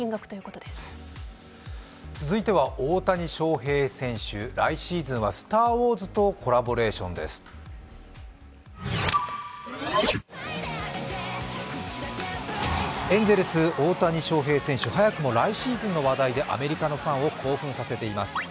エンゼルス・大谷翔平選手、早くも来シーズンの話題でアメリカのファンを興奮させています。